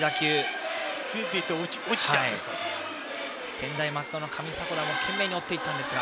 専大松戸の上迫田も懸命に追っていったんですが。